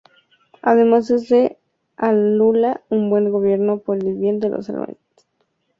Además deseó a Lula un buen gobierno por el bien de los brasileños.